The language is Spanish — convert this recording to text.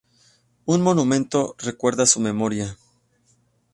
Un monumento recuerda su memoria.